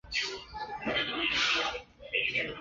事后有发行影音光碟。